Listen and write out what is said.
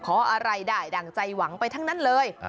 อะไรได้ดั่งใจหวังไปทั้งนั้นเลย